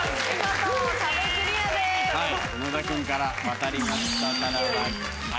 野田君から渡りましたタラバ。